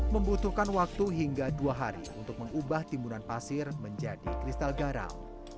membutuhkan waktu hingga dua hari untuk mengubah timbunan pasir menjadi kristal garam